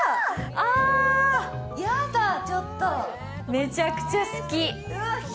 めちゃくちゃ好き。